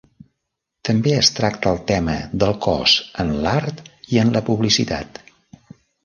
També es tracta el tema del cos en l'art i en la publicitat.